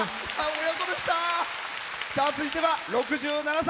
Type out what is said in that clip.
続いては、６７歳。